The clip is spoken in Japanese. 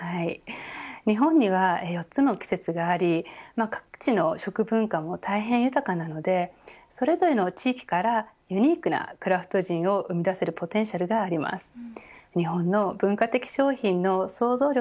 日本には４つの季節があり各地の食文化も大変豊かなのでそれぞれの地域からユニークなクラフトジンを生み出せるポテンシャルがあります。